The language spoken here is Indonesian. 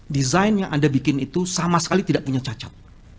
desain yang anda bikin itu sama sekali tidak punya cacat